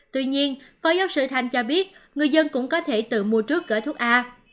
tuy nhiên phó giáo sư thanh cho biết người dân cũng có thể tự mua trước gói thuốc a